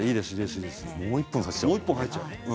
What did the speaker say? もう１本挿しちゃおう。